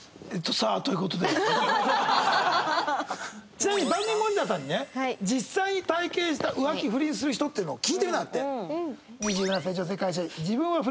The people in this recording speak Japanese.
ちなみに番組モニターさんにね実際に体験した浮気・不倫する人っていうのを聞いてみたんだって。